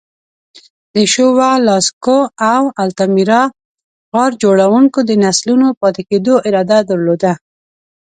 د شووه، لاسکو او التامیرا غار جوړونکو د نسلونو پاتې کېدو اراده درلوده.